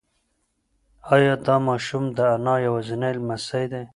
ایا دا ماشوم د انا یوازینی لمسی دی؟